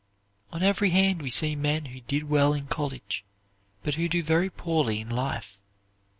On every hand we see men who did well in college, but who do very poorly in life.